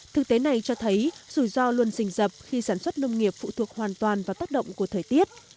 thực tế này cho thấy rủi ro luôn rình dập khi sản xuất nông nghiệp phụ thuộc hoàn toàn vào tác động của thời tiết